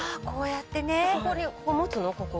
こここうやって。